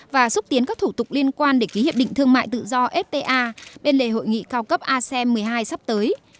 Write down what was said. và xúc tiến các thủ tục liên quan để ký hiệp định thương mại tự do fta bên lề hội nghị cao cấp asem một mươi hai sắp tới